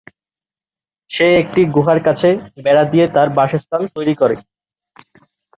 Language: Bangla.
সে একটি গুহার কাছে বেড়া দিয়ে তার বাসস্থান তৈরি করে।